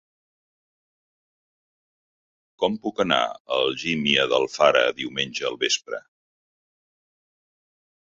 Com puc anar a Algímia d'Alfara diumenge al vespre?